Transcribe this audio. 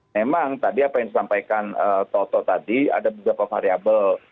memang tadi apa yang disampaikan toto tadi ada beberapa variable